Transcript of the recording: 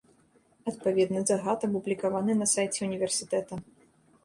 Адпаведны загад апублікаваны на сайце ўніверсітэта.